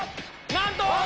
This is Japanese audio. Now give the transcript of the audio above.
なんと‼